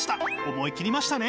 思い切りましたね！